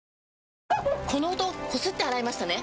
この音こすって洗いましたね？